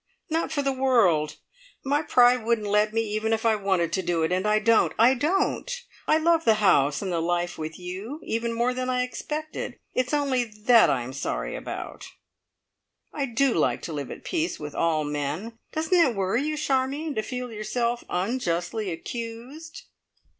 Not for the world. My pride wouldn't let me even if I wanted to do it, and I don't I don't! I love the house and the life with you even more than I expected, it's only that I'm sorry about. I do like to live at peace with all men. Doesn't it worry you, Charmion, to feel yourself unjustly accused?"